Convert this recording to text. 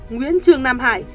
nguyễn trường nam hải